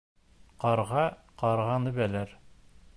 Ҡарға ҡарғаны белер.